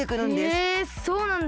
へえそうなんだ。